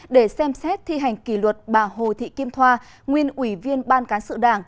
để xem xét thi hành kỷ luật bà hồ thị kim thoa nguyên ủy viên ban cán sự đảng